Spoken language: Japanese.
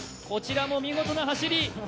こちらも見事な走り。